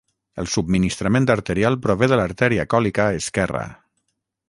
El subministrament arterial prové de l'artèria còlica esquerra.